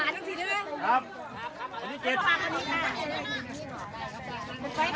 อ่าลูกลูกลูกลูกลูกลูกลูกลูกลูกลูกลูกลูกลูกลูกลูกลูกลูกลูกลูกลูก